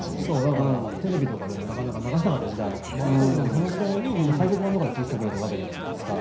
だからテレビとかでもなかなか流せなかった時代もあったけども、その時代にみんな海賊版とかで聞いててくれたわけじゃないですか。